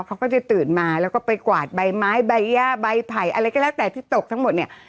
เขาก็จะตื่นมาแล้วก็ไปกวาดใบไม้ใบย่าใบไผ่อะไรก็แล้วแต่ที่ตกทั้งหมดเนี่ย